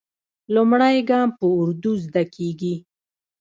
لومړی ګام په اردو زده کېږي.